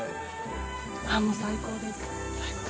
ああもう最高です最高。